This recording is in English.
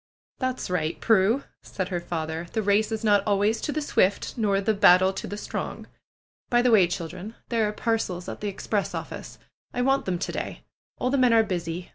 That's right, Prue," said her father, ^Hhe race is not always to the swift, nor the battle to the strong. By the way, children, there are parcels at the express office. I want them to day. All the men are busy.